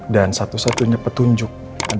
dan satu satunya petunjuk adalah ibu catherine